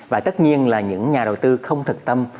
và tất nhiên là những nhà đầu tư không thực tâm